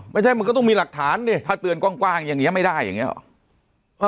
ไม่ใช่มันก็ต้องมีหลักฐานดิถ้าเตือนกว้างอย่างนี้ไม่ได้อย่างนี้หรอ